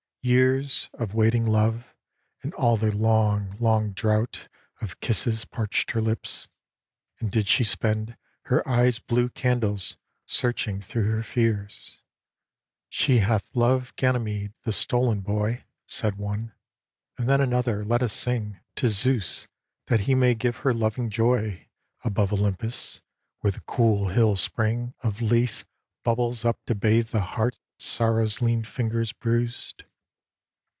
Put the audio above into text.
Years Of waiting love, and all their long, long drought Of kisses parched her lips, and did she spend Her eyes blue candles searching thro' her fears. " She hath loved Ganymede, the stolen boy." Said one, and then another, " Let us sing To Zeus that he may give her living joy A DREAM OF ARTEMIS 139 Above Olympus, where the cool hill spring Of Lethe bubbles up to bathe the heart Sorrow's lean fingers bruised.